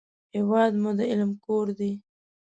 هېواد مو د علم کور دی